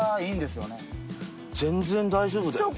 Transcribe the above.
全然大丈夫だよこれ。